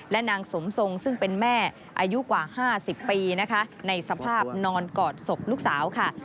และนางสมทรงซึ่งเป็นแม่อายุกว่า๕๐ปีนะคะในสภาพนอนกอดศพลูกสาวค่ะ